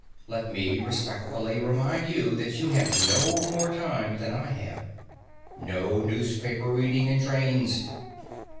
Let me respectfully remind you that you have no more time than I have. No newspaper reading in trains!